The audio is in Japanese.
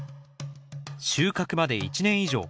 収穫まで１年以上。